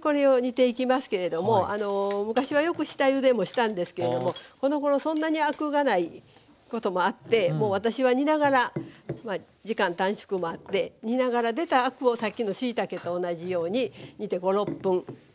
これを煮ていきますけれどもあの昔はよく下ゆでもしたんですけれどもこのごろそんなにアクがないこともあってもう私は煮ながら時間短縮もあって煮ながら出たアクをさっきのしいたけと同じように煮て５６分。